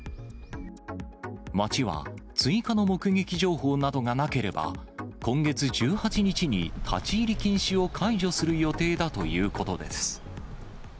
町は追加の目撃情報などがなければ、今月１８日に立ち入り禁止を解除する予定だということです。